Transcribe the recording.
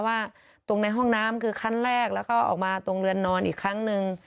ว่าตรงในห้องน้ำคือขั้นแรกแล้วก็ออกมาตรงเรือนนอนอีกครั้งหนึ่ง